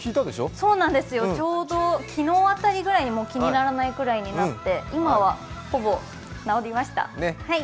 そうなんですよ、昨日辺りに気にならないくらいになって今はほぼ治りました。